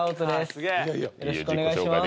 よろしくお願いします